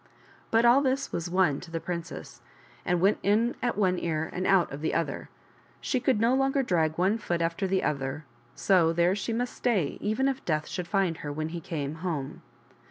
But all this was one to the princess, and went in at one ear and out of the other ; she could no longer drag one foot after the other^ so there she must stay even if Death should find her when he came home.